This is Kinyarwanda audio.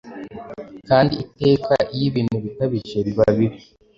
kandi iteka iyo ibintu bikabije biba bibi.